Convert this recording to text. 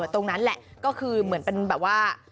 ตรงนั้นแหละก็คือเหมือนเป็นแบบว่า